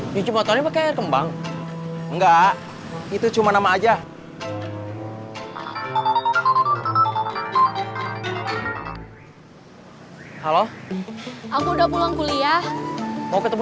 nyuci motornya pakai air kembang enggak itu cuma nama aja halo aku udah pulang kuliah mau ketemu